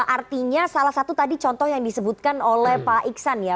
artinya salah satu tadi contoh yang disebutkan oleh pak iksan ya